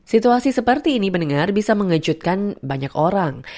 situasi seperti ini mendengar bisa mengejutkan banyak orang